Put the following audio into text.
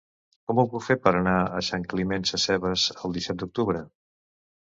Com ho puc fer per anar a Sant Climent Sescebes el disset d'octubre?